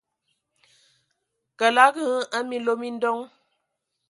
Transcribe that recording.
Kəlag hm a minlo mi ndoŋ !